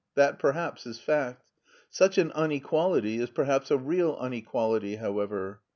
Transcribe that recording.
That perhaps is fact. Such an unequality is perhaps a real unequality, however.